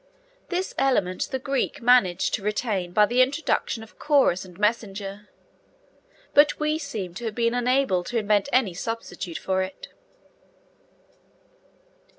This element the Greek managed to retain by the introduction of chorus and messenger; but we seem to have been unable to invent any substitute for it.